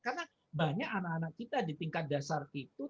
karena banyak anak anak kita di tingkat dasar itu